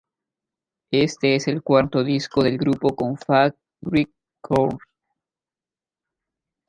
Este es el cuarto disco del grupo con Fat Wreck Chords.